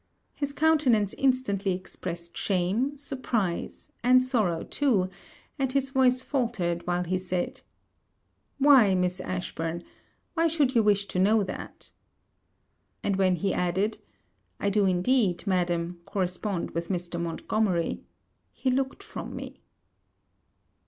His countenance instantly expressed shame, surprise, and sorrow too; and his voice faultered while he said 'Why, Miss Ashburn, why should you wish to know that?' And when he added, 'I do indeed, madam, correspond with Mr. Montgomery,' he looked from me.